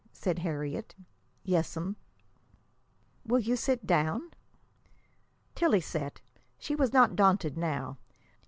said Harriet. "Yes'm." "Will you sit down?" Tillie sat. She was not daunted now.